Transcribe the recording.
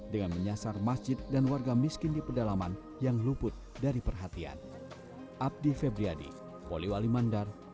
dengan menyasar masjid dan warga miskin di pedalaman yang luput dari perhatian